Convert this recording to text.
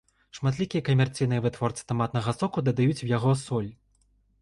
Шматлікія камерцыйныя вытворцы таматнага соку дадаюць у яго соль.